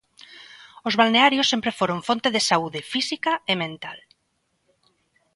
Os balnearios sempre foron fonte de saúde, física e mental.